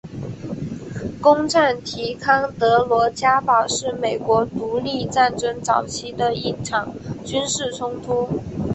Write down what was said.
攻占提康德罗加堡是美国独立战争早期的一场军事冲突。